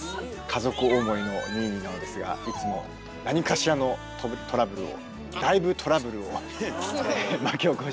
家族思いのニーニーなのですがいつも何かしらのトラブルをだいぶトラブルを巻き起こしています。